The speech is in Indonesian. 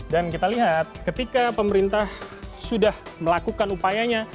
dan kita lihat ketika pemerintah sudah melakukan upayanya